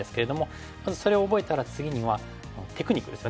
まずそれを覚えたら次にはテクニックですよね。